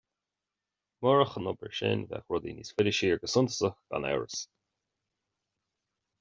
Murach an obair sin bheadh rudaí níos faide siar go suntasach gan amhras